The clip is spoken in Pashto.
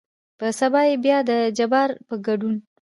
په سبا يې بيا دجبار په ګدون